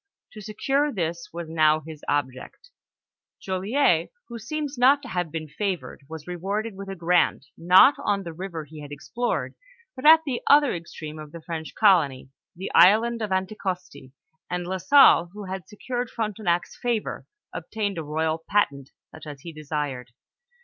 To secure this was now his object Joliet, who seems not to have been favored, vas rewarded with a grant, not on the river he had explored, but at the other extreme of the French colony, the island of Anti costi, and La Salle, who had secured Frontenac's favor, obtained a royal patent, euch as he desired.